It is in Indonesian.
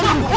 nih di situ